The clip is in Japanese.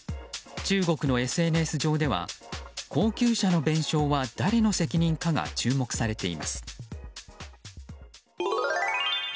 中国のＳＮＳ上では高級車の弁償はだれの責任かが注目されています。